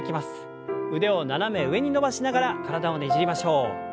腕を斜め上に伸ばしながら体をねじりましょう。